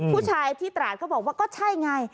ผู้ชายที่ตราดก็บอกว่าก็ใช่ไง